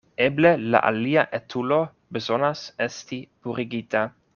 Eble la alia etulo bezonas esti purigita.